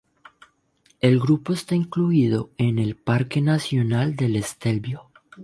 El grupo está incluido en el Parque Nacional del Stelvio.